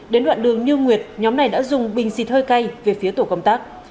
đến đoạn đường như nguyệt nhóm này đã dùng bình xịt hơi cay về phía tổ công tác